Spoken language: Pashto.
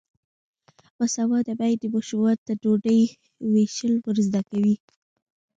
باسواده میندې ماشومانو ته ډوډۍ ویشل ور زده کوي.